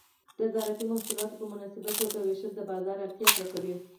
د زراعتي محصولات په مناسبه توګه ویشل د بازار اړتیا پوره کوي.